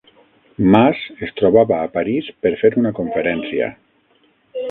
Mas es trobava a París per fer una conferència